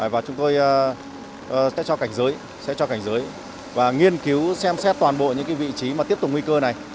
và chúng tôi sẽ cho cảnh giới sẽ cho cảnh giới và nghiên cứu xem xét toàn bộ những vị trí mà tiếp tục nguy cơ này